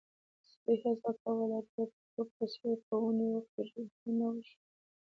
سپی هڅه کوله چې د پيشو په څېر په ونې وخيژي، خو ونه شول.